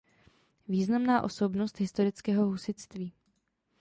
Významná osobnost historického husitství.